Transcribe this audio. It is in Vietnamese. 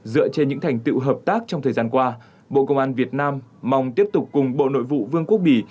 dựa trên những thành tựu hợp tác trong thời gian qua bộ công an việt nam mong tiếp tục cùng bộ nội vụ vương quốc bỉ